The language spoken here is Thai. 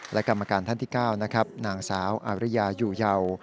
และกรรมการท่านที่๙นะครับนางสาวอาริยาอยู่เยา